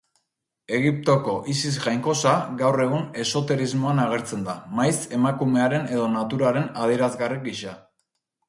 Egiptoko Isis jainkosa gaur egun esoterismoan agertzen da, maiz emakumearen edo naturaren adierazgarri gisa.